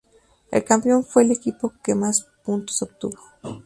El campeón fue el equipo que más puntos obtuvo.